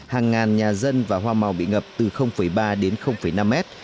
hàng ngàn nhà dân và hoa màu bị ngập từ ba đến năm mét